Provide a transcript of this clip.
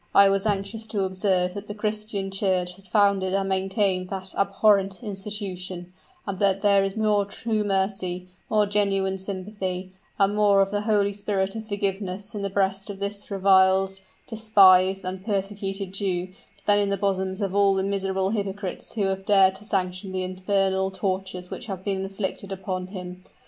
"I was anxious to observe that the Christian Church has founded and maintained that abhorrent institution; and that there is more true mercy more genuine sympathy and more of the holy spirit of forgiveness in the breast of this reviled, despised and persecuted Jew, than in the bosoms of all the miserable hypocrites who have dared to sanction the infernal tortures which have been inflicted upon him.